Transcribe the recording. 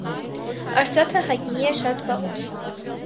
Արծաթը յայտնի է շատ վաղուց։